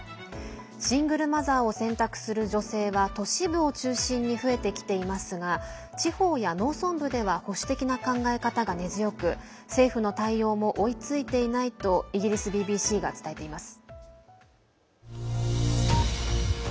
シングルマザーを選択する女性は都市部を中心に増えてきていますが地方や農村部では保守的な考え方が根強く政府の対応も追いついていないとイギリスＢＢＣが伝えています。